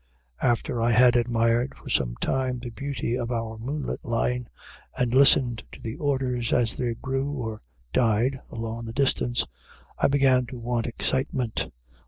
After I had admired for some time the beauty of our moonlit line, and listened to the orders as they grew or died along the distance, I began to want excitement.